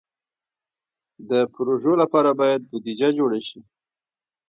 د پروژو لپاره باید بودیجه جوړه شي.